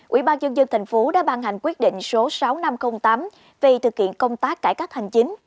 ubnd tp hcm đã ban hành quyết định số sáu nghìn năm trăm linh tám về thực hiện công tác cải cách hành chính